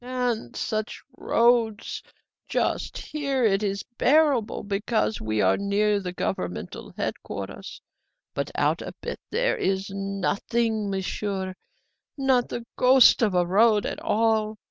"And such roads! Just here it is bearable, because we are near the governmental headquarters; but out a bit there's nothing, Monsieur not the ghost of a road at all.